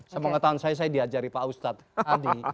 semangat tahun saya saya diajari pak ustadz tadi